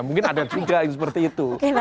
mungkin ada tiga yang seperti itu